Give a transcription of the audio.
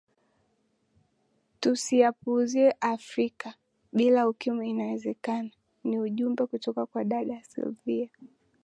tusiyapuuzie afrika bila ukimwi inawezekana ni ujumbe kutoka kwa dada sylivia